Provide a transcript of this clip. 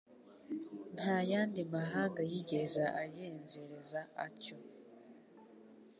Nta yandi mahanga yigeze agenzereza atyo